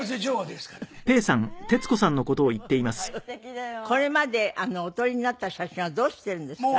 でもこれまでお撮りになった写真はどうしているんですか？